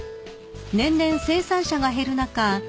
［年々生産者が減る中